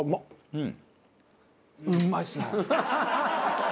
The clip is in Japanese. うん！